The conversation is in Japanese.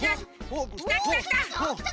きたきたきた！